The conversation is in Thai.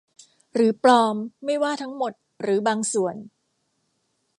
หรือปลอมไม่ว่าทั้งหมดหรือบางส่วน